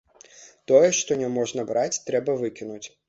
Тое, што няможна браць, трэба выкінуць.